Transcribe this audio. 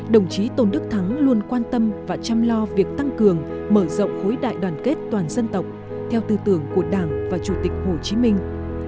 đồng chí tôn đức thắng luôn quan tâm và chăm lo việc tăng cường mở rộng khối đại đoàn kết toàn dân tộc theo tư tưởng của đảng và chủ tịch hồ chí minh